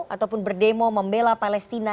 ataupun berdemo membela palestina